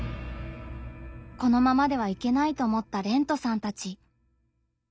このままではいけないと思ったれんとさんたち。